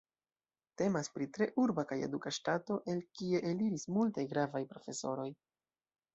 Temas pri tre urba kaj eduka ŝtato, el kie eliris multaj gravaj profesoroj.